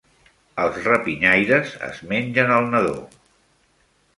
Els rapinyaires es mengen el nadó.